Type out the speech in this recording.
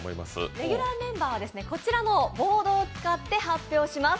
レギュラーメンバーはこちらのボードを使って発表します。